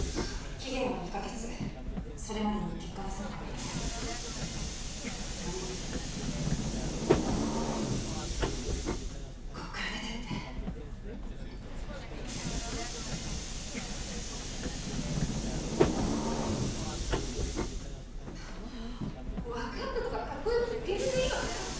それは期限は２カ月それまでに結果出せなかったら悪いけどこっから出てって分かった「分かった」とかカッコよく受け入れていいわけ？